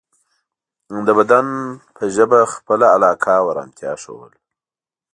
د بدن په ژبه خپله علاقه او ارامتیا ښودل